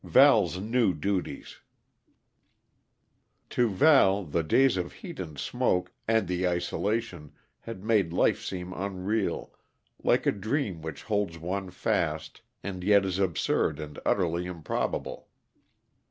VAL'S NEW DUTIES To Val the days of heat and smoke, and the isolation, had made life seem unreal, like a dream which holds one fast and yet is absurd and utterly improbable.